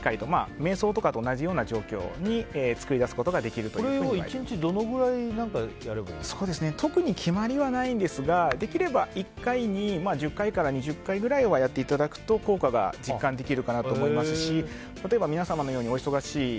瞑想とかと同じような状況をこれを１日どれくらい特に決まりはないんですができれば１回に１０回から２０回ぐらいはやっていただくと、効果が実感できるかなと思いますし例えば皆様のようにお忙しい